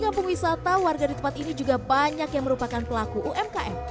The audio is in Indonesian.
kampung wisata warga di tempat ini juga banyak yang merupakan pelaku umkm